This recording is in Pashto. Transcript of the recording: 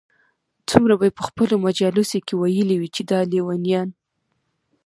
څومره به ئې په خپلو مجالسو كي ويلي وي چې دا ليونيان